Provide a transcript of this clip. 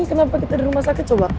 kenapa kita di rumah sakit coba